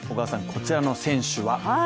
こちらの選手は？